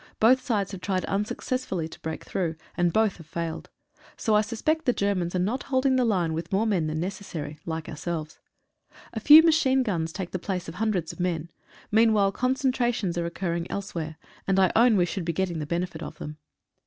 Both sides have tried unsuccessfully to break through, and both have failed. So I suspect the Germans are not hold ing the line with more men than necessary, like ourselves. A few machine guns take the place of hundreds of men. Meanwhile concentrations are occurring elsewhere, and 80 THE GATE OF HELL. I own we should be getting the benefit of them.